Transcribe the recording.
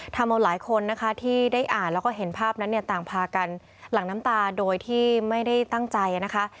ทำเอาหลายคนนะคะที่ได้อ่านแล้วก็เห็นภาพนั้นเนี่ยต่างพากันหลั่งน้ำตาโดยที่ไม่ได้ตั้งใจนะคะ